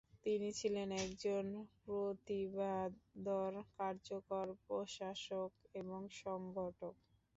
তিনি ছিলেন একজন প্রতিভাধর, কার্যকর প্রশাসক এবং সংগঠক।